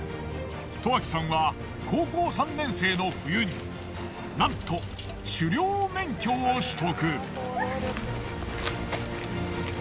十秋さんは高校３年生の冬になんと狩猟免許を取得。